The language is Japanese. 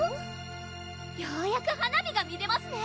ようやく花火が見れますね！